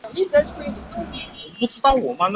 生物具有静水骨骼既有优点也有缺点。